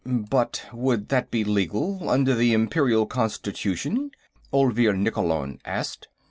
"But would that be legal, under the Imperial Constitution?" Olvir Nikkolon asked.